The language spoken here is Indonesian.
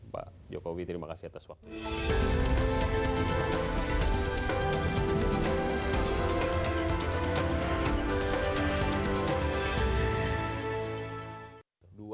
pak jokowi terima kasih atas waktunya